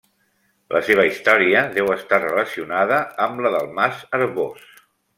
La seva història deu estar relacionada amb la del mas Arbós.